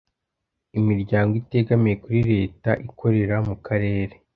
Imiryango itegamiye kuri Leta ikorera mu Karere